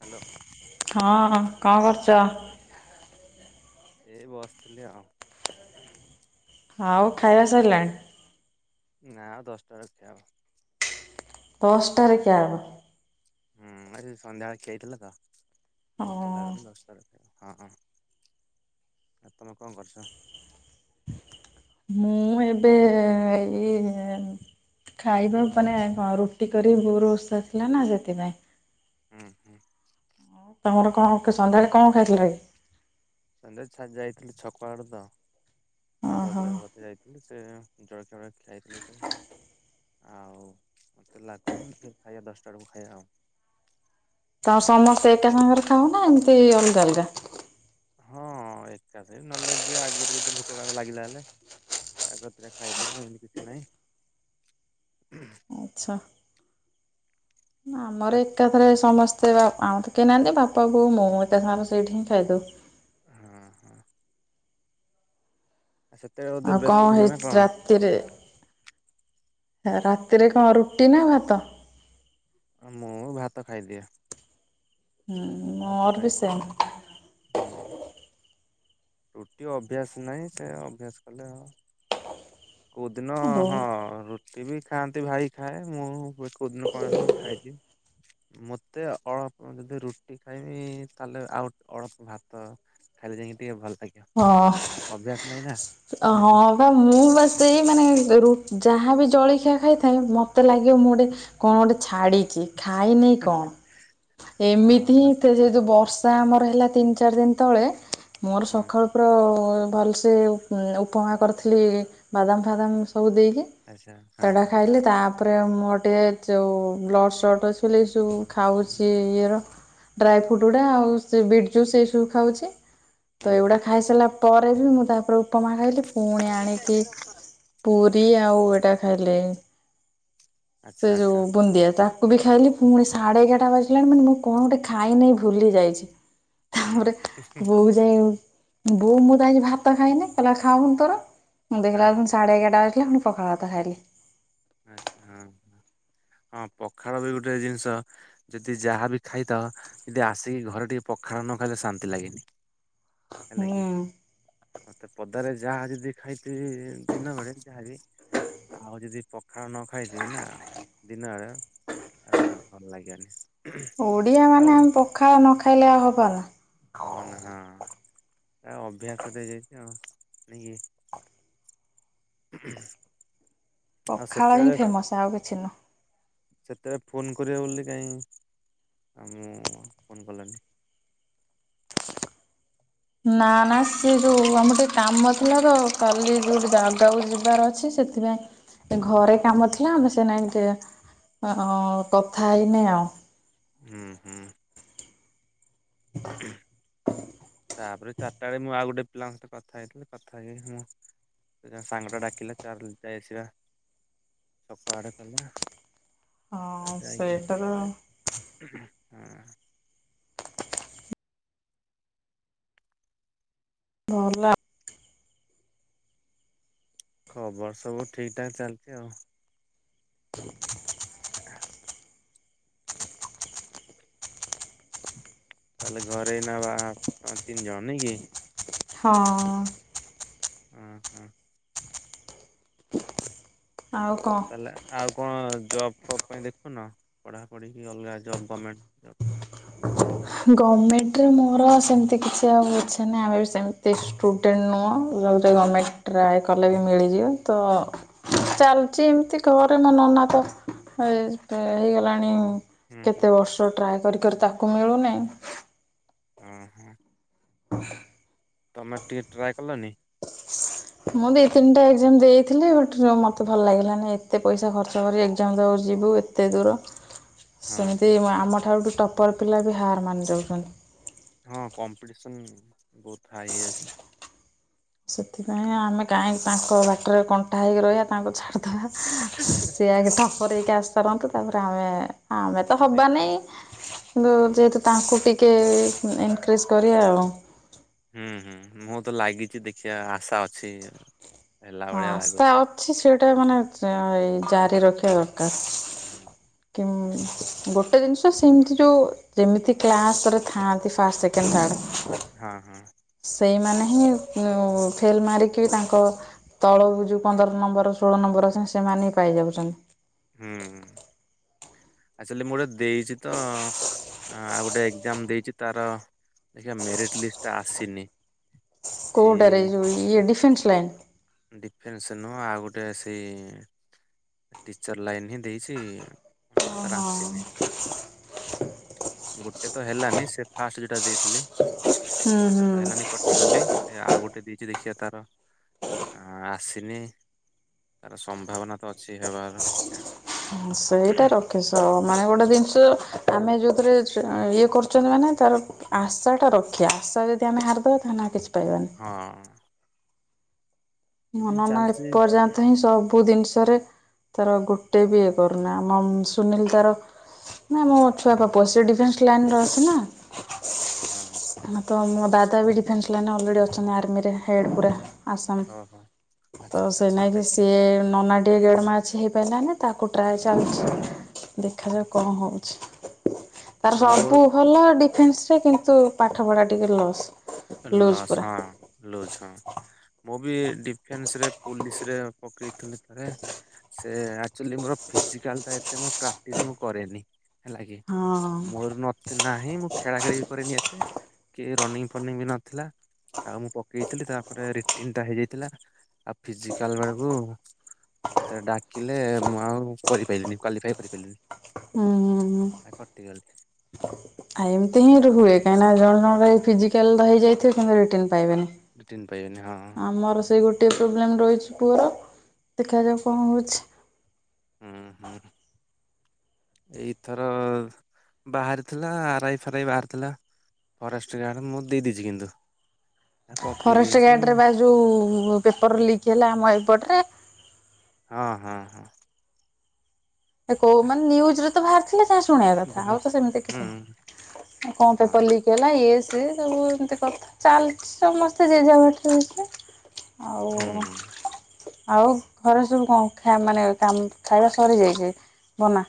Hello ହଁ ହଁ। କଁ କରୁଚ? ଏଇ ବସ୍ ଥିଲି ଆଉ। ଆଉ ଖାଇବା ସାଇଲା? ନା ଆଉ ଦଶଟା ରଖାହବ। ପଷ୍ଟ ରିକା। ହୁଁ ଆଜି ସନ୍ଧ୍ୟାଳେ ଖେଇଥିଲା ତ। ପୋକ ହଁ ଲାଗିଲେ ନଷ୍ଟ। ହଁ ହଁ ତମେ କଣ କରୁଛ? ମୁଁ ଏବେ ଏଇ ଖାଇବା ମାନେ କଣ ରୁଟି କରି ବୋଉ ର ଓଷା ଥିଲାନା ସେଥିପାଇଁ। ହୁଁ ହୁଁ। ପୁଣି କଣ କେ ସନ୍ଧ୍ୟାରେ କଣ ଖାଇଥିଲା କି? କଲେଜ୍ ଛାଡ଼ି ଯାଇଥିଲି ଛକ ଆଡେ ତ। ଏ ଓହୋ ବଜାର ରଖି ଯାଥିଲ। ସେ ଜଳଖିଆ ଗୁଡା ଖିଆଥିଲି ପା ଆଉ ମୋତେ ଲାଗୁନି ଫେ ଖାଇବା ଦଶଟା ବେଳକୁ ଖାଇବା ଆଉ। ତ ସମସ୍ତେ ଏକା ସାଙ୍ଗରେ ଖ ନା ଏମତି ଅଲଗା, ଅଲଗା ହଁ, ଏକାଶ ବି ନହେଲେ ଯି ଆଗରେ ଯଦି ଭୋକ କାହାକୁ ଲାଗିଲା, ହେଲେ ସେ ଆଗତିରେ ଖାଇଦେବେ, ଏମିତି କିଛି ନାହିଁ। ଆଚ୍ଛା, ଆ ଆମର ଏକାଥରେ ସମସ୍ତେ ସେବା ଆଉ ତ କେନାହାନ୍ତି, ଆଚ୍ଛା ବାପାବଉ ମୁଁ ହୁଁ ଏତେ ସାର ସେଇଠି। ଖାଇଦୋଉ। ହଁ, ହଁ ସେତେବେଳେ ବୋଧେ ଆଉ ବ୍ୟସ୍ତ କଣ ଥିଲ ନା ହେଇଛି, କଣ ରାତିରେ। ରାତିରେ କଣ ରୁଟି ନା ଭାତ? ମୁଁ ଭାତ ଖାଇଦିଏ। ହୁଁ, ଭାତ ମୋର ବି ଖାଇଦିଏ ସେମ। ହୁଁ ରୁଟି ଅଭ୍ୟାସ ନାହିଁ, ସେ ଅଭ୍ୟାସ କଲେ, ହବ। କେଉଁଦିନ ରୁ ହଁ, ରୁଟି ବି ଖାଆନ୍ତି, ଭାଇ ଖାଏ, ମୁଁ କୋଉଦିନ କଣ ହେଲି ନା ଖାଇଦିଏ, ମତେ ଅଳପ ଯଦି ରୁଟି ଖାଇମି ତାହେଲେ, ଆଉ ଅଳ୍ପ ଭାତ ଖାଇଲେ ଯାଇକି ଟିକେ ଭଲ ଲାଗିବ ହଁ, ଅଭ୍ୟାସ ନାହିଁ ନା ହେଲା କି ହଁ ବା ମୁଁ, ବା ସେଇ ମାନେ ର ଯାହାବି ଜଳଖିଆ ଖାଇଥାଏ, ମତେ ଲାଗିବ ମୁଁ ଗୋଟେ କଣ ଗୋଟେ ଛାଡିଛି ଖାଇନି, କଣ ଏମିତି ହିଁ ହଁ ସେ ଯୋଉ ବର୍ଷା ତ ଆମର ହେଲା ତିନି, ଚାରି ଦିନ ତଳେ ମୋର ହୁଁ ସ ଭଲସେ ଉପମା କରିଥିଲି, ବାଦାମ, ଫାଦାମ ସବୁ ଦେଇକି, ଆଚ୍ଛା ହଁ ତେ଼ା ହଁ। ଖାଇଲି ତା ତାପରେ ମୋର ଟିକେ ଯୋଉ ବ୍ଲଡ଼ ସଟ ଅଛି, ବୋଲି ଏ ସବୁ ଖାଉଛି, ଇଏର ଡ୍ରାଇ, ଫ୍ରୁଟ୍ ଗୁଡା ଆଉ ସେ ବିଟ୍ ଜୁସ୍ ଏଇ ସବୁ ଖାଉଛି। ତ ହୁଁ ଏଗୁଡ଼ା ହୁଁ ଖାଇସାରିଲା ପରେ ବି, ମୁଁ ତାପରେ ଉପପମା ଖାଇଲି, ପୁଣି ଆଣିକି ପୁରୀ ଆଉ ଏଇଟା ଖାଇଲେ, ସେ ଆଚ୍ଛା ଆଚ୍ଛା ଯୋଉ ବୁନ୍ଦିଆ ତା କ ବି ଖାଇଲି, ପୁଣି ସାଢେ ଏଗାରଟା ବାଜିଲାଣି, ମାନେ ମୁଁ କଣ ଗୋଟେ ଖାଇନାଇ ଭୁଲି ଯାଇଛି। ହୁଁ ତାପରେ ହଁ। ବଉ ଯାଇ ବୋଉ ମୁଁ ତ ଆଜି ଭାତ ଖାଇନି, କହିଲା ଖାାଉନୁ, ତୋର ମୁଁ ଦେଖିଲା, ବେଳକୁ ସାଢେ ଏଗଟା ପୁଣି, ପଖାଳ ଭାତ ଖାଇଲି। ଆଛା, ହଁ, ହଁ ପଖାଳ ବି ଗୋଟେ ଜିନିଷ, ଯଦି ଯାହା ବି ଖାଇଥା ଯଦି ଆସିକି, ଘରେ ଟିକେ ପଖାଳ ନ ଖାଇଲେ ଶାନ୍ତି ଲାଗେନି। ହେଲେ କିି ହୁଁ ମତେ ପଦାରେ ଯାହା ଯଦି ଖାଇଥିବି ଦିନ ବେଳେ ଯାହାକି ଆଉ ଯଦି ପଖାଳ ନ ଖାଇଥିବି ନା ଦିନ ବେଳେ ଆ ଭଲ ଲାଗିବନି। ଓଡିଆ ମାନେ ଆମେ ପଖାଳ ନ ଖାଇଲେ ଆଉ ହବ୍ [unintelligible] ଆ ଅଭ୍ୟାସଟେ ହେଇଯାଇଚି ଆଉ। [unintelligible] [unintelligible] ଆଉ ପଖାଳ ହିଁ ସେତେବେଳେ ଫେମସ ଆଉ କିଛି ନୁହଁ। ସେତେବେଳେ ଫୋନ୍ କରିବ ବୋଲି କାଇଁ ଆ ମୁଁ ଫୋନ୍ କଲାନି। ନା ନା ସିଏ ଯୋଉ ଆମର ଟିକେ କାମ ଥିଲା ତ କାଲି ଯୋଉ ଜାଗାକୁ ଯିବାର ଅଛି ସେଥିପାଇଁ ଘରେ କାମ ଥିଲା ଆମେ ସେ ନାଇଁ ଟିକେ ଅଁ କଥା ହେଇନି ଆଉ। ହୁଁ ହୁଁ। [unintelligible] ତାପରେ ଚାରିଟା ବେଳେ ମୁଁ ଆଉ ଗୋଟେ ପିଲାଙ୍କ ସହିତ କଥା ହେଇଥିଲି କଥା ହେଇକି ମୁଁ ଜଣେ ସାଙ୍ଗଟେ ଡାକିଲେ ଚାଲ ଯାଇ ଆସିବା ଛକ ଆଡେ ହଁ ସ୍ଵେଟର ହୁଁ। [unintelligible] ଖବର ସବୁ ଠିକ ଠାକ ଚାଲିଚି ଆଉ। [unintelligible] ତାହେଲେ ଘରେ ନବା ତମେ ତିନି ଜଣ ନାଇଁ କି? ହଁ। ହୁଁ ହୁଁ। ଆଉ କଣ? ତାହେଲେ ଆଉ କଣ ଜବ୍ ଫବ୍ ପାଇଁ ଦେଖୁନ ପଢାପଢି କି ଅଲଗା ଜବ୍ ଗମେଣ୍ଟ ଜବ। ଗମେଣ୍ଟରେ ମୋର ସେମିତି କିଛି ଆଉ ଇଚ୍ଛା ନାହିଁ ଆମେ ବି ସେମିତି ଷ୍ଟୁଡେଣ୍ଟ ନୁହଁ ଯେଉଁଥିରେ ଆମେ ଟ୍ରାଏ କଲେ ବି ମିଳିଯିବ ତ ଚାଲୁଚି ଏମିତି ଘରେ ମୋର ନନା ତ ହେଇଗଲାଣି ହୁଁ ହୁଁ କେତେ ବର୍ଷ ଟ୍ରାଏ କରି କରି ତାକୁ ମିଳୁନି? [unintelligible] ଉଁ ହଁ। [unintelligible] ତମେ ଟିଏ ଟ୍ରାଏ କଲନି? ମୁଁ ବି ତିନିଟା ଏକ୍ଜାମ ଦେଇଥିଲି ବଟ୍ ମୋତେ ଭଲ ଲାଗିଲାନି ଏତେ ପଇସା ଖର୍ଚ୍ଚ କରି ଏକ୍ଜାମ ଦବାକୁ ଯିବୁ ଏତେ ଦୂର ହଁ ସେମିତି ହଁ ଆମଠାରୁ ଠୁ ଟପର୍ ପିଲା ବି ହାର ମାନିଯାଉଚନ୍ତି। ହଁ କମ୍ପିଟିସନ ବହୁତ ହାଇ ଏସ୍। ସେଥିପାଇଁ ଆମେ କାହିଁକି ତାଙ୍କ ବାଟରେ କଣ୍ଟା ହେଇକି ରହିବା ତାଙ୍କୁ ଛାଡିଦବା। ସେ ଆଗେ ଟପର ହେଇକି ଆସି ରନ୍ତୁ ତାପରେ ଆମେ ଆମେ ତ ଦେଖିବା ହବାନାଇ କିନ୍ତୁ ଯେହେତୁ ତାଙ୍କୁ ଟିକେ ଇନକ୍ରିଜ୍ କରିବା ଆଉ। ହୁଁ ହୁଁ ମୁଁ ତ ଲାଗିଛି ଦେଖିବା ଆଶା ଅଛି। ହେଲା ହଁ ଭଳିଆ ଆସ୍ତା ଲାଗୁଛି। ଅଛି ସେଟା ମାନେ ଏଇ ଜାରି ରଖି ଦରକର [inaudible] ଗୋଟେ ଜିନିଷ ସେମିତି ଯେଉଁ ଯେମିତି କ୍ଲାସ୍ରେ ଥାଆନ୍ତି ଫାଷ୍ଟ ସେକେଣ୍ଡ ଥାର୍ଡ଼। ହଁ ହଁ ଫେଲ ମାରିକି ତାଙ୍କ ତଳକୁ ଯଉ ପନ୍ଦର ନମ୍ବର ଷୋହଳ ନମ୍ବର ଅଛନ୍ତି ସେମାନେ ହିଁ ପାଇଯାଉଛନ୍ତି ହୁଁ ଆସ ମୋର ଦେଇଛି ତ ଆଉ ଗୋଟେ ଏଜାମ ଦେଇଛି ତାର ଦେଖିବା ମେରିଟ ଲିଷ୍ଟ ଟା ଆସିନି କଉଡରେ ଏଇ ଯ ଡିଫେନ୍ସ ପ୍ଲନ୍ତ ଡିଫେନ୍ସ ନୁହଁ ଆଉ ଗୋଟେ ସେଇ ଟିଚର ଲାଇନ ହିଁ ଦେଇଛି ତାର ଆସୁନି ଗୋଟେ ତ ହେଲାନି ସେ ଫାଷ୍ଟ ଯେୋଟା ଦେଇଥିଲି ହୁଁ ସେଟା ହୁଁ। ତ ହେଲାନି କଟିଗଲି ସେ ଆଉ ଗୋଟେ ଦେଇଛି ଦେଖିବା ତାର ଆସିନି ତାର ସମ୍ଭାବନା ତ ଅଛି ହେବାର ଆା ସେଇଟା ରଖିସ ମାନେ ଗୋଟେ ଜିନିଷ ଆମେ ଯେଉଁଥିରେ ଇଏ କରୁଛନ୍ତି ମାନେ ତାର ଆଶାଟା ରଖିବା ଆଶା ଯଦି ଆମେ ହାରିଦେବା ତାହେଲେ ନା କିଛି ପାଇବାନି। ହଁ ସେଥିପାଇଁ ହନ ନା ଚାଲିଛି ଏପର୍ଯ୍ୟନ୍ତ ହିଁ ସବୁ ସବୁ ଜିନିଷରେ ତାର ଗୋଟେ ବି ଇଏ କରୁନା ଆମ ସୁନୀଲ ତର ନା ମୋ ହୁଁ ଛୁଆ ବାପୁ ଅ ସେ ଡିଫେନ୍ସ ହଁ ଲାଇନରେ ଅଛିେ ଆଚ୍ଛା ହଁ ହଁ ନା ତ ଦାଦା ବି ଡିଫେନ୍ସ ଲାଇନ ଅଲରେଡି ଅଛନ୍ତି ଆର୍ମିରେ ହେଡ୍ ପୁରା ଆସାମ ଓ ହୋ ତ ସେ ନାଇକି ସିଏ ନନାଟିଏ ଗରମା ଅଛି ହେଇ ପିଲ ନା ତାକୁ ଟ୍ରାଏ ହୁଁ। ଚାଲିଛି ଦେଖାଯାଉ କଣ ହେଉଛି ତାର ମୋର ସବୁ ଭଲ ଡିଫେନ୍ସ ସେ କିନ୍ତୁ ପାଠପଢ଼ା ଟିକେ ଲସ୍ ଅଲା ଲୁଜ୍ ପୁରା ହଁ ଲୋଜ ହଁ ମୁଁ ବି ଡିଫେନ୍ସ ରେ ପୋଲିସରେ ପକେଇ ତଲିାରେ ଆଚୁଲି ମୋର ଫିଜିକାଲ ଟା ଏତେ ମୋର ପ୍ରାକ୍ଟିସ୍ ମୁଁ କରେନି ହେଲା କି ହଁ ମୂଳରୁ ନଥି ନାହିଁ ମୁଁ ଖେଳା ଖେଳି ଵି କରେନି ଏତେ କି ରନିଂ ଓପନିଙ୍ଗ ବି ନଥିଲା ଆଉ ମୁଁ ପକେଇଥିଲି ତାପରେ ରିଟିନ୍ଟା ହେଇଯାଇଥିଲା, ଆଉ ଫିଜିକାଲ ବେଳକୁ ମତେ ଡାକିଲେ ମୁଁ ଆଉ କରିପାରିଲିନି କ୍ୱାଲିଫାଏ କରିପାରିଲିନି ହୁଁ ହୁଁ ହୁଁ କଟିଗଲି। ଆ ଏମିତି ହିଁ ରୁଏ କାହିଁକିନା ଜଣେ କଣ ଫିଜିକାଲ ଟା ହେଇଯାଇଥିବ ରିଟିନ୍‌ ପାଇବେନି ରିଟିନ୍ ପାଇବେନି ହଁ ଆମର ସେ ଗୋଟେ [unintelligible] ହୁଁ ହୁଁ ଏଇଥର ବାହାରିଥିଲା ଆରାଇ ଫାରାଇ ବାହାରିଥିଲା, ଫରେଷ୍ଟ ଗାର୍ଡ ମୁଁ ଦେଇ ଦେଇେଇଛି କିନ୍ତୁ ପକେଇ ଫରେଷ୍ଟ ଦେଇଛି ଗାର୍ଡରେ ବା ଯୋଉ ପେପର ଲିକ୍ ହେଲା ଆମ ଏପଟରେ ହଁ ହଁ ହଁ କ ମାନେ ନ୍ୟୁଜ ରେ ବାହାରିଥିଲେ। ଶୁଣିବା କଥା ଆଉ ବାହାରି ତ ସେମିତି ହୁଁ କିଛି ନାଇଁ ଆଉ କଣ ହଁ ପେପର ଲିକ୍ ହେଲା ଇଏ ସିଏ ସେ ସବୁ ଏମିତି କଥା ଚାଲିଛି ସମସ୍ତେ ଜେଝା ବାଟରେ ଜେଝେ ହୁଁ। ଆଉ ଘରେ ସବୁ କଣ ଖା ମାନେ କାମ ଖାଇବା ସରି ଯାଇଛି? ବନା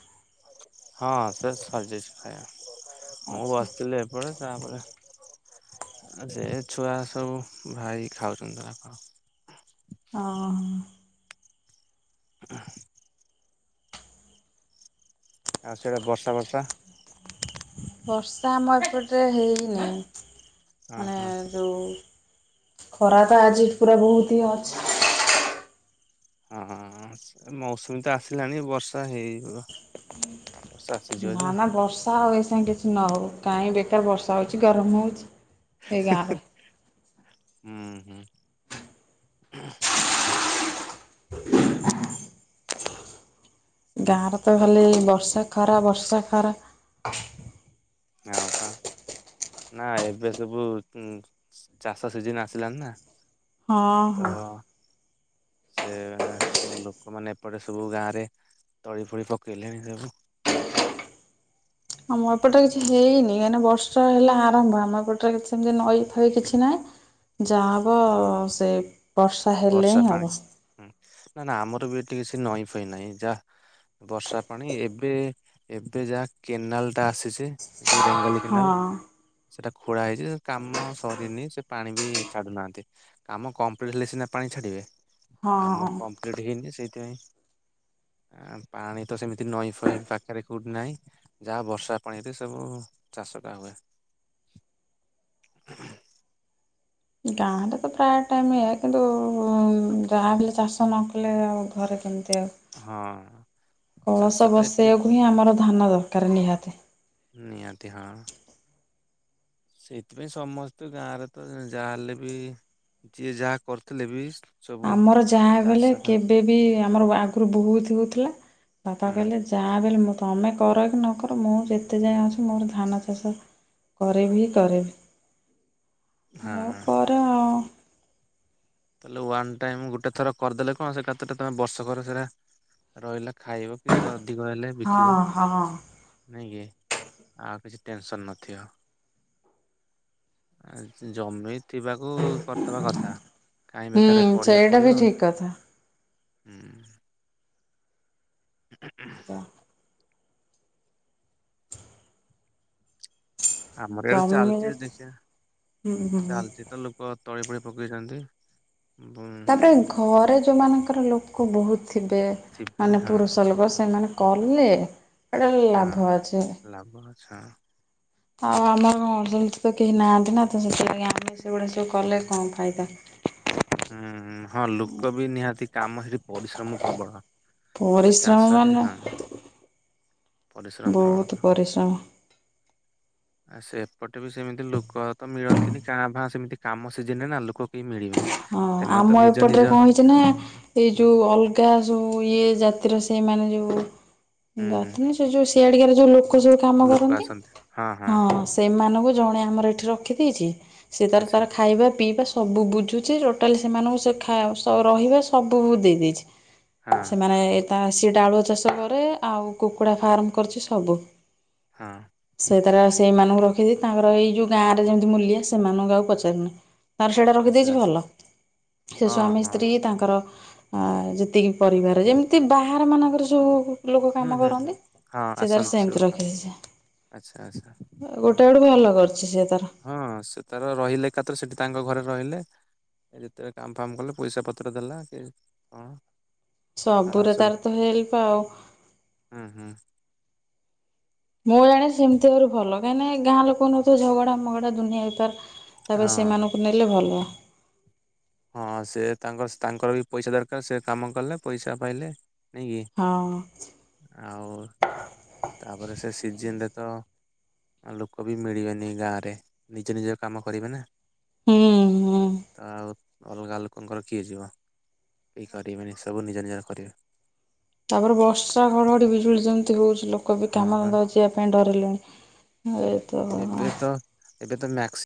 ହଁ ସେ ସରି ଯାଇଛି ଖାଇବା। ମୁଁ ଆଚ୍ଛା ବସିଥିଲି ଏପଟେ ତାପରେ ସେ ଛୁଆ ସବୁ ଭାଇ ଖାଉଛନ୍ତି ତା ହଁ। ଉଁ ହୁ। ଆଉ ସେଇଟା ବର୍ଷା ବର୍ଷା ବର୍ଷା ଆମ ଏପଟେ ହେଇନି। ହଁ ମାନେ ହଁ ଯୋଉ ଖରା ତ ଆଜି ପୁରା ବହୁତ ହିଁ ଅଛି। ହଁ ମୌସୁମୀ ତ ଆସିଲାଣି ବର୍ଷା ହେଇପିବ। ନା ନା ବର୍ଷା ହଉ ଏଇ ସାଙ୍ଗ କିଛି ନ ହଉ କାଇଁ ବେ ଏ ବର୍ଷା ହେଉଛି ଗରମ ହେଉଛି। ଏଗାର। ହୁଁ ହୁଁ। ଗାଁରେ ତ ଖାଲି ବର୍ଷା ଖରା ବର୍ଷା ଖରା ହଁ ପା ନା ଏବେ ସବୁ ଚାଷ ସିଜନ ଆସିଲାଣି ନା ହଁ ହଁ। ତ ସେ ସବୁ ଲୋକମାନେ ଏପଟେ ସବୁ ଗାଁରେ ତଳି ଫୋଳି ପକେଇଲେଣି ସବୁ। ହଁ ମଁ ଏପଟ କିଛି ପକେଇଲେ ହେଇନି କାହିଁକି ବର୍ଷ ହେଲା ଆରମ୍ଭ ଆମ ପଟରେ ସେମତି ନଈ ଫଇ କିଛି ନାହିଁ ଯାହାହବ ସେ ବର୍ଷା ହେଲେ ବର୍ଷା ହିଁ ହବ ପାଣି ନା ନା ଆମର ବି। କିଛି ନଈ ପଇନାହିଁ ଯାହା ବର୍ଷା ପାଣି ଏବେ ଏବେ ଯାହା କେନାଲ ଟା ଆସିଛି ଯୋଉ ରେଙ୍ଗାଲି ହଁ କେନାଲ ସେଟା ଖୋଳା ହେଇଛି କାମ ସରିନି ସେ ପାଣି ବି ଛାଡୁନାହାନ୍ତି କାମ କମ୍ପ୍ଲିଟ ହେଲେ ସିନା। ପାଣି ଛାଡ଼ିବେ। କାମ ହଁ। କମ୍ପ୍ଲିଟ ହେଇନି ସେଇ। ପାଣି ତ ସେମିତି ନଈ ଫଇ ପାଖରେ କେଉଠି ନାହିଁ ଯାହା ବର୍ଷା ପାଣିରେ ସବୁ ଚାଷ ଟା ହୁଏ। ଗାଁରେ ତ ପ୍ରାୟ ଟାଇମ ଇ କିନ୍ତୁ ଯାହା ହେଲେ ଚାଷ ନ କଲେ ଆଉ ଘରେ କେମିତି ହଁ କଳସ ଚାଷଟା ଏଠି ବସେଇବାକୁ ହିଁ ଆମର ଧାନ ଦରକାର ନିହାତି। ନିଆତି ହଁ। ସେଇଥିପାଇଁ ସମସ୍ତେ ଗାଁରେ ତ ଯାହାହଲେ ବି ଯିଏ ଯାହା କରିଥିଲେ ବି ସବୁ ଆମର ଯାହା ବିଲେ ଚାଷ ଟା କେବେବି ଆମର ଆଗରୁ ବହୁତ ହଉଥିଲା। ବାପା ହୁଁ କହିଲେ ଯାହା ବି ହେଲେ ମୋତ ତୋମେ କର କି ନ କର ମୁଁ ଯେତେ ଯାଏଁ ଅଛି ମୋର ଧାନ ଚାଷ କରିଭି ହିଁ କରିଭି। [unintelligible] ଆଉ ହଁ କର। ତାହେଲେ ୱାନ୍ ଟାଇମ୍ ଗୋଟେ ଥର କରିଦେଲେ କଣ ସେ କାତଟା ତୋମେ ବର୍ଷକର ସେଟା ରହିଲା। ଖାଇବ କି ଅଧିକ ହେଲେ ବିକିବ। ହଁ ହଁ ନାଇଁ କି, ଆଉ କିଛି ଟେନସନ୍ ନଥିବ। ଆଉ ସେ ଜମି ଥିବାକୁ କରିଦବା କଥା। କାହିଁ ହୁଁ ବେକାରରେ ପଢିଆ ସେଇଟା ବି ପଡିବ ଠିକ କଥା। ହୁଁ। [unintelligible] ଆମର ଏବେ ଜମି ଚାଲିଚି ଯେତେ ଦେଖିବା ହୁଁ ହୁଁ। ଚାଲିଚି ତ ଲୋକ ତଳି ଫଳି ପକେଇଛନ୍ତି। ତାପରେ ଘରେ ଯୋଉ ମାନକ ର ଲୋକ ବହୁତ ଥିବେ ଥିବେ ମାନେ ହଁ ପୁରୁଷ ଲୋକ ସେମାନେ କଲେ ଏଇଟା ଲାଭ ଅଛି। ଛା ଆଉ ଆମର କଣ ବହିତ କେହି ନାହାନ୍ତି ନା। ତ ସେଥିଲାଗି ଆମେ ସେଉଡା ସବୁ କଲେ କଣ ଫାଇଦା। ହୁଁ ହଁ ଲୋକ ବି ନିହାତି କାମ ସେଠଇ ପରିଶ୍ରମ ପ୍ରବଳ ସେ ପରିଶ୍ରମ ଚାଷରେ, ମାନେ ହଁ ପରିଶ୍ରମ ବହୁତ ପ୍ରବଳ। ପରିଶ୍ରମ। ଆ, ସେପଟେ ବି ସେମିତି ଲୋକ ତ ମିଳନ୍ତିନି କାଁ ଭାଁ ସେମିତି କାମ ସିଜନ ରେ ନା ଲୋକ କେହି ମିଳିବେନି। ହଁ ସେମାନେ ତ ଆମ ନିଜ ଏପଟରେ ନିଜ କଣ ହେଇଚି ନା ଏଇ ଯୋଉ ଅଲଗା ସବୁ ଇଏ ଜାତିର ସେ ସେଇମାନେ ଯୋଉ ହୁଁ ହୁଁ ଜାତି ନାଇଁ ସେ ଯୋଉ ସି ସିଆଡିକାର ଯୋଉ ଲୋ ଲୋକ ଯୋଉ କାମ କରନ୍ତି ହଁ ସେମାନଙ୍କୁ ଜଣେ ଆମର ଏଠି ରଖିଦେଇଚି। ସେ ତାର ଆଚ୍ଛା ତାର ଖାଇବା ପିଇବା ସ ସବୁ ବୁଝୁ ଟୋଟାଲି ସେମାନଙ୍କୁ ସେ ଖ ରହିବା ସବୁ ଦେଇ ଦେଇେଇଛି ହଁ ସେମାନେ ଏ ତା ସେ ଡାଳୁଅଳ ଚାଷ କରେ ଆଉ କୁକୁଡ଼ା ଫାର୍ମ କରିଛି ସବୁ ହଁ ସେ ତାର ସେଇମାନଙ୍କୁ ରଖିଦି ତାଙ୍କର ଏଇ ଯୋଉ ଗାଁ ରେ ଯେମିତି ମୂଲିଆ ସେମାନଙ୍କୁ ଆକୁ ପଚାରୁନି ତାର ସେଇଟା ଆଚ୍ଛା ରଖିଦେଇଛି ଆଚ୍ଛା ଭଲ ସେ ହଁ ସ୍ଵାମୀ ହଁ ସ୍ତ୍ରୀ ତାଙ୍କର ଯେତିକି ପରିବାର ଯେମିତି ବାହାର ମାନଙ୍କର ସବୁ ଲୋକ ହୁଁ କାମ ହୁଁ ହୁଁ କରନ୍ତି ହଁ ସେ ତାର ଆସନ୍ତି ସବୁ ସେମିତି କାମ ରଖିଛି ସେ ଆଚ୍ଛା ଆଚ୍ଛା ଗୋଟେ ଆଡୁ ଭଲ କରିୁଛି ହଁ ସେ ତାର ରହିଲେ ଏକାତ୍ର ସେଠି ତାଙ୍କ ଘରେ ରହିଲେ ଯେତେବେଳେ କାମଫାମ କଲେ ପଇସା ପତ୍ର ଦେଲା କି କଣ ସବୁରେ ଆରାମସେ ତାର ତ ହେଲ୍ପ ଆଉ ହୁଁ ହୁଁ ମୁଁ ଜାଣେ ସେମିତି ଆରି ଭଲ କାହିଁକି ଗାଁ ଲୋକ ନଥିବ ଝଗଡା ମଗଡା ଦୁନିଆ ଭିତାର ତାପରେ ହଁ ସେମାନଙ୍କୁ ନେଲେ ଭଲ ହଁ ସେ ତାଙ୍କର ତାଙ୍କର ବି ପଇସା ଦରକାର ସେ କାମ କଲେ ପଇସା ପାଇଲେ ନାଇଁ ହଁ କି ଆଉ ତାପରେ ସେ ସିଜିନ ରେ ତ ଲୋକ ବି ମିଳିବେନି ଗାଁରେ ନିଜ ନିଜ କାମ କରିବେ ନା ହୁଁ ହୁଁ। ତ ଆଉ ଅଲଗା ଲୋକଙ୍କର କିଏ ଯିବ କିଏ କରିବେନି ସବୁ ନିଜ ନିଜର କରିବେ ତାପରେ ବର୍ଷା ଘଡଘଡି ବିଜୁଳି ଯେମିତି ହଉଛି ଲୋକ ବି ହଁ ବା କାମଧନ୍ଦାକୁ ଯିବା ପାଇଁ ଡରିଲେଣି ଏ ତ ଏବେ ତ ଏବେ ତ ମ୍ୟାକ୍ସି